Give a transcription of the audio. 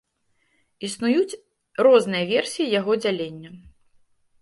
Існуюць розныя версіі яго дзялення.